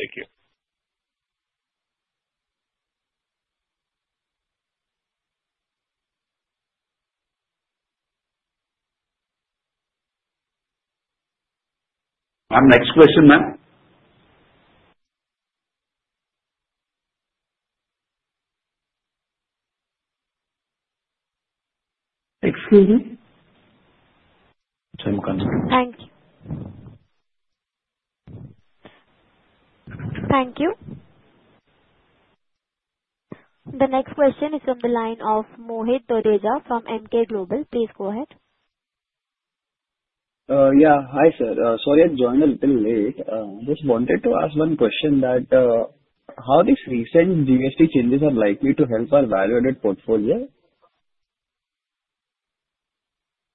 Thank you. Ma'am, next question, ma'am. Excuse me. Same concept. Thank you. Thank you. The next question is from the line of Mohit Duggal from Emkay Global. Please go ahead. Yeah. Hi, sir. Sorry, I joined a little late. Just wanted to ask one question that how these recent GST changes are likely to help our value-added portfolio?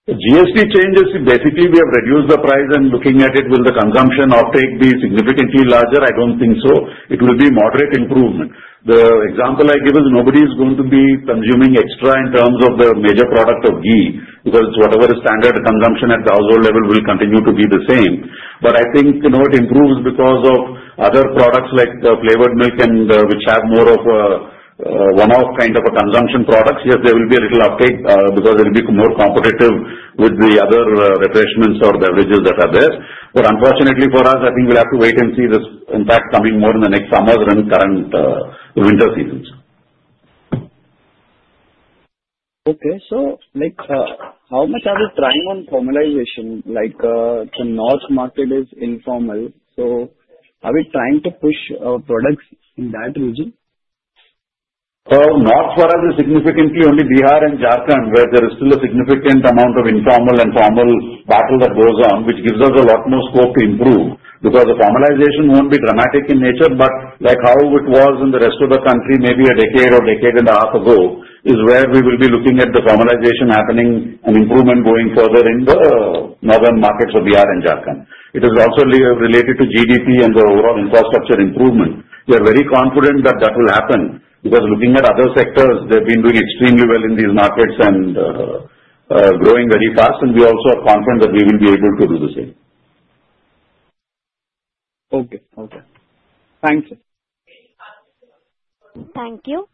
GST changes, basically, we have reduced the price, and looking at it, will the consumption uptake be significantly larger? I don't think so. It will be moderate improvement. The example I give is nobody is going to be consuming extra in terms of the major product of ghee because whatever is standard consumption at the household level will continue to be the same. But I think it improves because of other products like the flavored milk and which have more of a one-off kind of consumption products. Yes, there will be a little uptake because it will be more competitive with the other refreshments or beverages that are there. But unfortunately for us, I think we'll have to wait and see this impact coming more in the next summers and current winter seasons. Okay. So how much are we trying on formalization? The north market is informal. So are we trying to push products in that region? North for us is significantly only Bihar and Jharkhand where there is still a significant amount of informal and formal battle that goes on, which gives us a lot more scope to improve because the formalization won't be dramatic in nature. But like how it was in the rest of the country maybe a decade or decade and a half ago is where we will be looking at the formalization happening and improvement going further in the northern markets of Bihar and Jharkhand. It is also related to GDP and the overall infrastructure improvement. We are very confident that that will happen because looking at other sectors, they've been doing extremely well in these markets and growing very fast. And we also are confident that we will be able to do the same. Okay. Okay. Thank you. Thank you.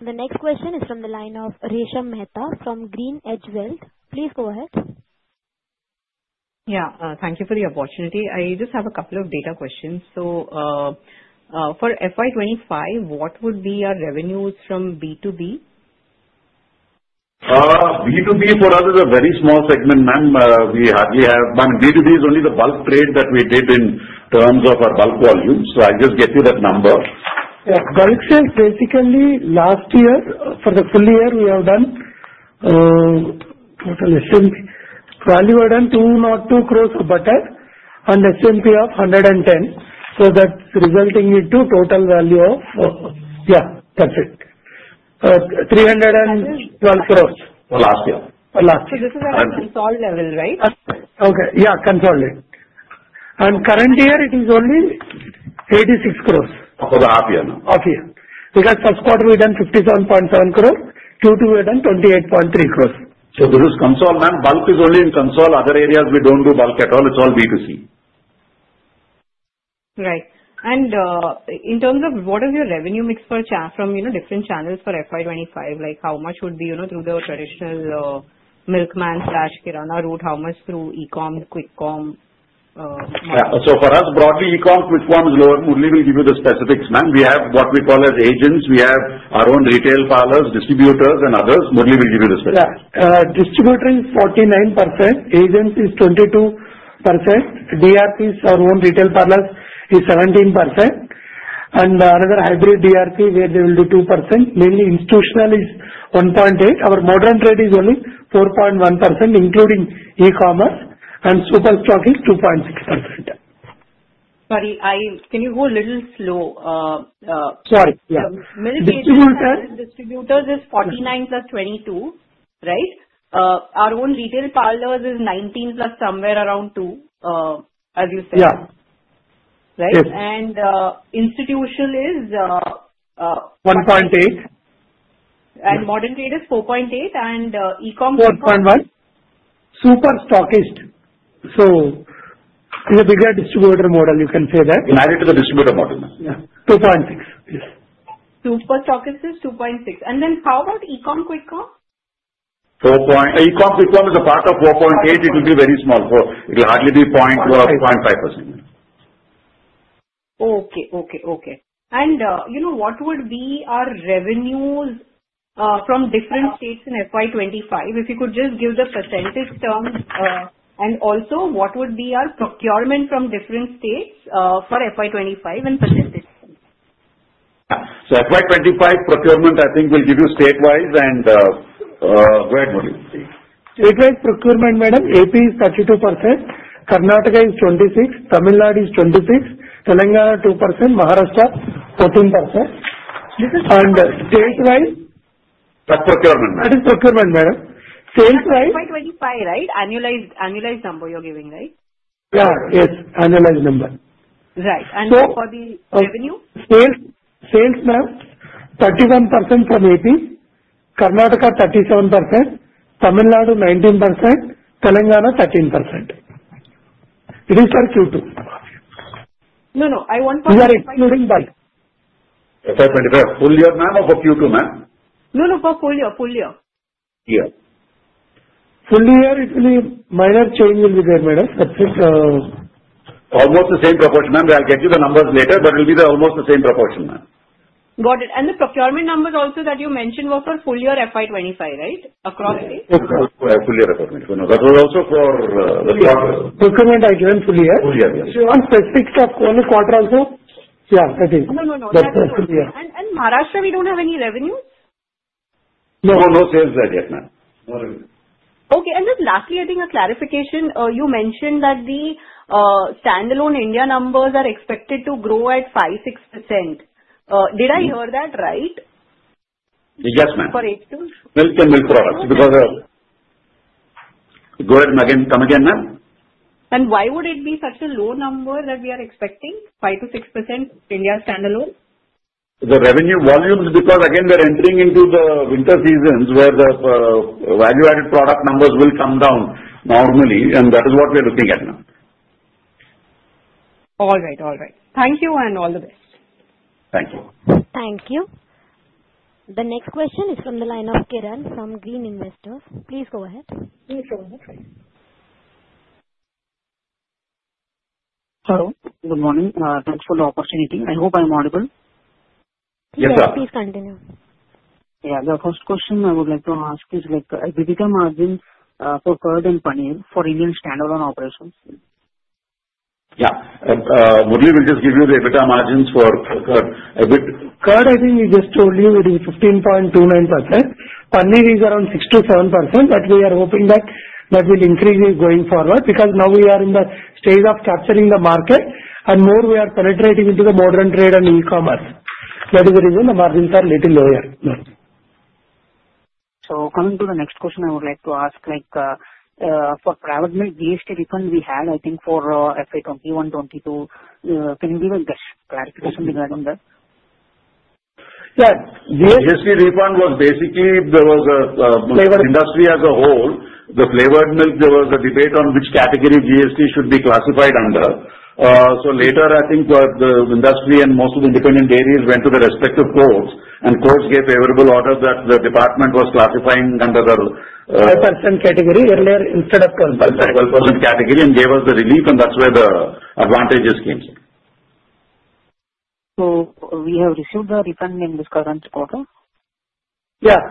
The next question is from the line of Resha Mehta from GreenEdge Wealth. Please go ahead. Yeah. Thank you for the opportunity. I just have a couple of data questions. So for FY 2025, what would be your revenues from B2B? B2B for us is a very small segment, ma'am. We hardly have. B2B is only the bulk trade that we did in terms of our bulk volume. So I just get you that number. Yeah. Bulk sales basically last year for the full year we have done total SMP value done 202 crores of butter and SMP of 110. So that's resulting into total value of yeah, that's it. 312 crores. For last year. For last year. So this is at a consolidated level, right? Okay. Yeah, consolidated. And current year, it is only 86 crores. For the half year, no? Half year. Because first quarter we done 57.7 crores. Q2 we done 28.3 crores. This is consol, ma'am. Bulk is only in consol. Other areas, we don't do bulk at all. It's all B2C. Right. And in terms of what is your revenue mix from different channels for FY 2025? How much would be through the traditional milkman slash Kirana route? How much through e-com, quick-com? Yeah. So for us, broadly, e-com, quick-com is lower. Murali will give you the specifics, ma'am. We have what we call as agents. We have our own retail parlors, distributors, and others. Murali will give you the specifics. Yeah. Distributor is 49%. Agents is 22%. DRPs, our own retail parlors is 17%. And another hybrid DRP where they will be 2%. Mainly institutional is 1.8%. Our modern trade is only 4.1%, including e-commerce. And Super Stockist is 2.6%. Sorry, can you go a little slow? Sorry. Yeah. Distribution? Distributors is 49 + 22, right? Our own retail parlors is 19+ somewhere around 2, as you said. Yeah. Right? And institutional is? 1.8. Modern trade is 4.8. And e-com is? 4.1. Superstockist. So it's a bigger distributor model, you can say that. Married to the distributor model, ma'am. Yeah. 2.6. Yes. Superstockist is 2.6, and then how about e-com, quick-com? E-com, quick-com is a part of 4.8. It will be very small. So it will hardly be 0.5%. What would be our revenues from different states in FY 2025? If you could just give the percentage terms. Also, what would be our procurement from different states for FY 2025 in % terms? So FY 2025 procurement, I think, will give you statewise. And where would it be? Statewide procurement, madam. AP is 32%. Karnataka is 26%. Tamil Nadu is 26%. Telangana 2%. Maharashtra 14%. And statewise. That's procurement, ma'am. That is procurement, madam. Sales-wise. That's FY 2025, right? Annualized number you're giving, right? Yeah. Yes. Annualized number. Right. And for the revenue? Sales, ma'am, 31% from AP. Karnataka 37%. Tamil Nadu 19%. Telangana 13%. It is for Q2. No, no. I want to ask. You are excluding by. FY 2025, full year, ma'am, or for Q2, ma'am? No, no. For full year. Full year. Yeah. Full year, it will be minor change will be there, madam. That's it. Almost the same proportion, ma'am. I'll get you the numbers later, but it will be almost the same proportion, ma'am. Got it. And the procurement numbers also that you mentioned were for full year FY 2025, right? Across states? Full year FY 2025. That was also for the quarter. Procurement, I give in full year? Full year, yes. Do you want specifics of only quarter also? Yeah, I think. No, no, no. That's for full year, and Maharashtra, we don't have any revenues? No. No sales there yet, ma'am. Okay. And just lastly, I think a clarification. You mentioned that the stand-alone India numbers are expected to grow at 5%-6%. Did I hear that right? Yes, ma'am. For H2? Milk and milk products because of go ahead, ma'am. Come again, ma'am. Why would it be such a low number that we are expecting? 5%-6% India stand-alone? The revenue volumes because, again, we are entering into the winter seasons where the value-added product numbers will come down normally, and that is what we are looking at now. All right. All right. Thank you and all the best. Thank you. Thank you. The next question is from the line of Kiran from Green Investors. Please go ahead. Please go ahead. Hello. Good morning. Thanks for the opportunity. I hope I'm audible. Yes, ma'am. Yes, please continue. Yeah. The first question I would like to ask is EBITDA margins for curd and paneer for Indian stand-alone operations. Yeah. Murali will just give you the EBITDA margins for curd. Curd, I think we just told you it is 15.29%. Paneer is around 6%-7%. But we are hoping that that will increase going forward because now we are in the stage of capturing the market, and more, we are penetrating into the modern trade and e-commerce. That is the reason the margins are a little lower. Coming to the next question I would like to ask, for procured milk, GST refund we had, I think, for FY 2021, FY 2022. Can you give a clarification regarding that? Yeah. The GST refund was basically [for] the industry as a whole. The flavored milk, there was a debate on which category GST should be classified under. So later, I think the industry and most of the independent dairies went to their respective courts. And the courts gave favorable orders that the department was classifying under the. 12% category earlier instead of 12%. 12% category and gave us the relief, and that's where the advantages came. So we have received the refund in this current quarter? Yeah.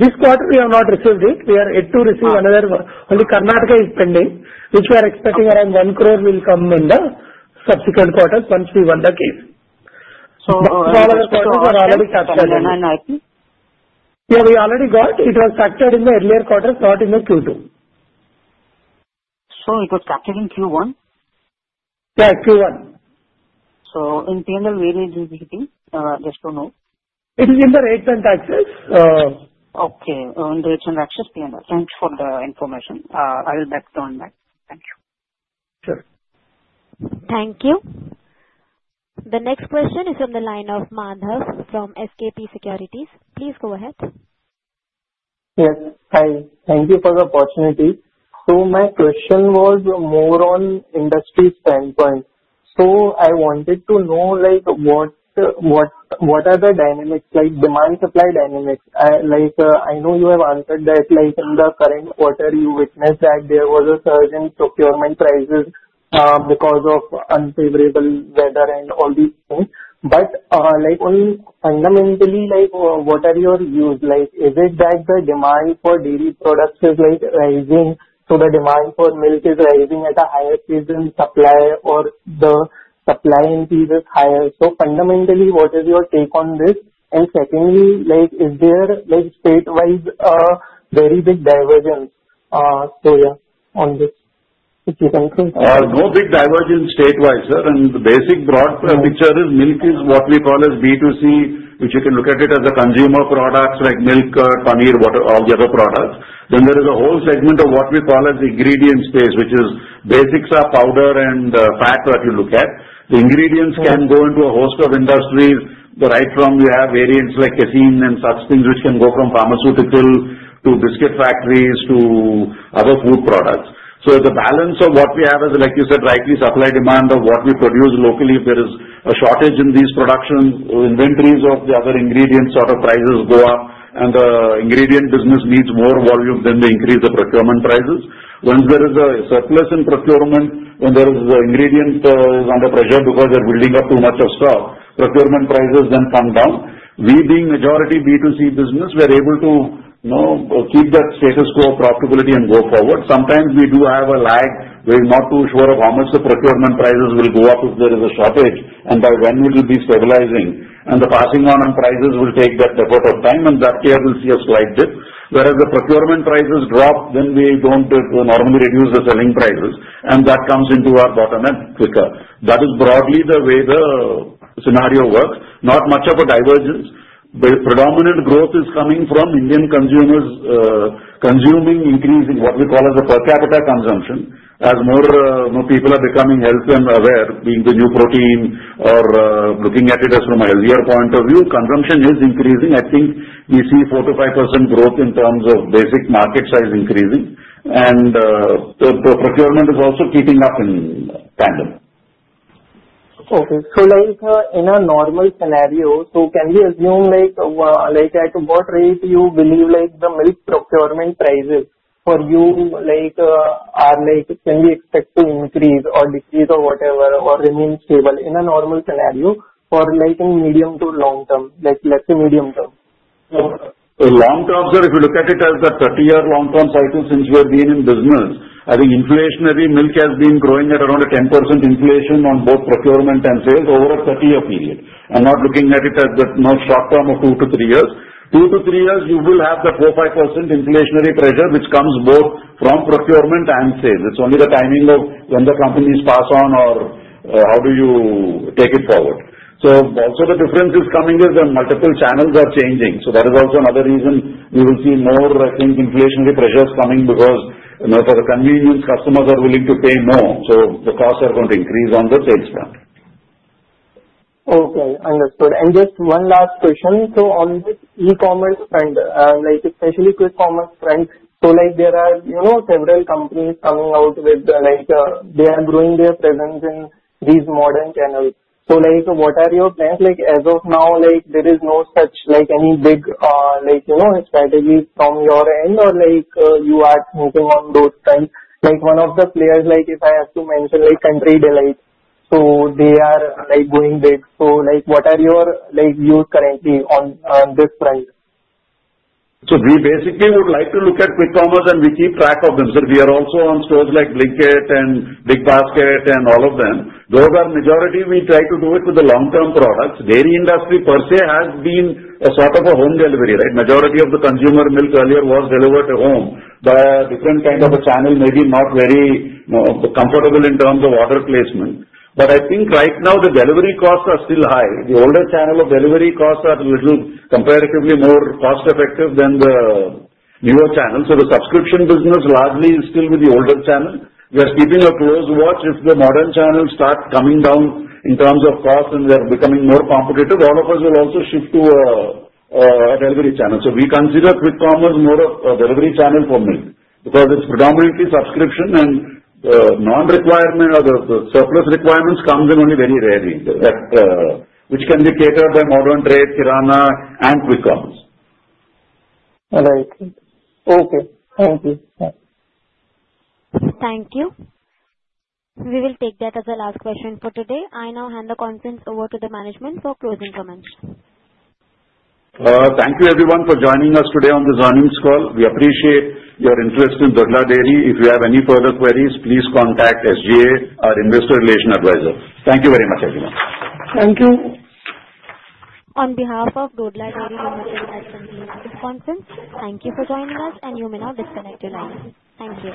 This quarter, we have not received it. We are yet to receive another. Only Karnataka is pending, which we are expecting around 1 crore will come in the subsequent quarters once we won the case. All other quarters are already captured. Yeah. We already got it was captured in the earlier quarters, not in the Q2. So it was captured in Q1? Yeah. Q1. So in P&L, where is it? Just to know. It is in the Rates and Taxes. Okay. In Rates and Taxes, P&L. Thanks for the information. I will back down that. Thank you. Sure. Thank you. The next question is from the line of Madhav from SKP Securities. Please go ahead. Yes. Hi. Thank you for the opportunity. So my question was more on industry standpoint. So I wanted to know what are the dynamics, demand-supply dynamics? I know you have answered that in the current quarter, you witnessed that there was a surge in procurement prices because of unfavorable weather and all these things. But fundamentally, what are your views? Is it that the demand for dairy products is rising? So the demand for milk is rising at a higher rate than supply or the supply increase is higher. So fundamentally, what is your take on this? And secondly, is there state-wise very big divergence? So yeah, on this. If you can say. No big divergence statewide, sir. And the basic broad picture is milk is what we call as B2C, which you can look at it as the consumer products like milk, curd, paneer, all the other products. Then there is a whole segment of what we call as ingredients space, which is basics are powder and fat that you look at. The ingredients can go into a host of industries. Right from you have variants like casein and such things, which can go from pharmaceutical to biscuit factories to other food products. So the balance of what we have is, like you said, rightly supply demand of what we produce locally. If there is a shortage in these production inventories of the other ingredients, sort of prices go up. And the ingredient business needs more volume than they increase the procurement prices. Once there is a surplus in procurement, when there is the ingredient under pressure because they're building up too much of stock, procurement prices then come down. We being majority B2C business, we are able to keep that status quo profitability and go forward. Sometimes we do have a lag where we're not too sure of how much the procurement prices will go up if there is a shortage. And by when will it be stabilizing? And the passing on prices will take that effort of time. And that year we'll see a slight dip. Whereas the procurement prices drop, then we don't normally reduce the selling prices. And that comes into our bottleneck quicker. That is broadly the way the scenario works. Not much of a divergence. Predominant growth is coming from Indian consumers consuming increasing what we call as the per capita consumption. As more people are becoming healthier and aware, being the new protein or looking at it as from a healthier point of view, consumption is increasing. I think we see 4%-5% growth in terms of basic market size increasing. And the procurement is also keeping up in tandem. Okay. So in a normal scenario, so can we assume at what rate you believe the milk procurement prices for you can be expected to increase or decrease or whatever or remain stable in a normal scenario for medium to long term? Let's say medium term. So, long term, sir, if you look at it as a 30-year long-term cycle since we have been in business, I think inflationary milk has been growing at around a 10% inflation on both procurement and sales over a 30-year period. I'm not looking at it as the short term of two to three years. Two to three years, you will have the 4%, 5% inflationary pressure, which comes both from procurement and sales. It's only the timing of when the companies pass on or how do you take it forward. So also the difference is coming as the multiple channels are changing. So that is also another reason we will see more, I think, inflationary pressures coming because for the convenience, customers are willing to pay more. So the costs are going to increase on the sales front. Okay. Understood. And just one last question. So on the e-commerce front, especially quick-commerce front, so there are several companies coming out with they are growing their presence in these modern channels. So what are your plans? As of now, there is no such any big strategy from your end or you are thinking on those fronts? One of the players, if I have to mention, Country Delight. So what are your views currently on this front? So we basically would like to look at quick-commerce and we keep track of them. So we are also on stores like Blinkit and BigBasket and all of them. Those are majority we try to do it with the long-term products. Dairy industry per se has been a sort of a home delivery, right? Majority of the consumer milk earlier was delivered to home. The different kind of a channel may be not very comfortable in terms of order placement. But I think right now the delivery costs are still high. The older channel of delivery costs are a little comparatively more cost-effective than the newer channel. So the subscription business largely is still with the older channel. We are keeping a close watch if the modern channels start coming down in terms of costs and they are becoming more competitive. All of us will also shift to a delivery channel. So we consider quick-commerce more of a delivery channel for milk because it's predominantly subscription and the non-requirement or the surplus requirements come in only very rarely, which can be catered by modern trade, Kirana, and quick-commerce. All right. Okay. Thank you. Thank you. We will take that as a last question for today. I now hand the conference over to the management for closing comments. Thank you, everyone, for joining us today on this earnings call. We appreciate your interest in Dodla Dairy. If you have any further queries, please contact SGA, our investor relation advisor. Thank you very much, everyone. Thank you. On behalf of Dodla Dairy Limited as convening this conference, thank you for joining us, and you may now disconnect your line. Thank you.